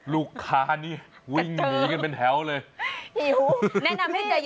ลูกค้านี่วิ่งหนีกันเป็นแถวเลย